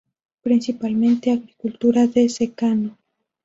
Principalmente, agricultura de secano.